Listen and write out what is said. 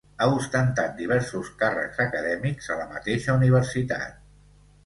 Ha ostentat diversos càrrecs acadèmics a la mateixa Universitat.